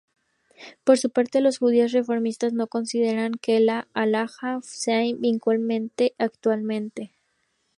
Por su parte, los judíos reformistas no consideran que la "Halajá" sea vinculante actualmente.